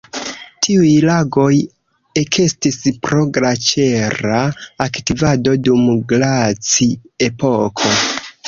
Tiuj lagoj ekestis pro glaĉera aktivado dum glaci-epoko.